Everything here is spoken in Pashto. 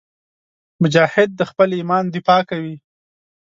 مجاهد د خپل ایمان دفاع کوي.